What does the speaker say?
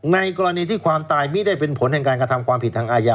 ในกรณีที่ความตายไม่ได้เป็นผลแห่งการกระทำความผิดทางอาญา